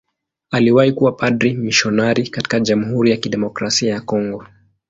Aliwahi kuwa padri mmisionari katika Jamhuri ya Kidemokrasia ya Kongo.